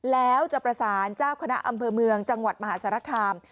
แล้วจะประสานเจ้าคณะอำเภอเมืองจังหวัดมหาสารคาม